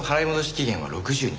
期限は６０日。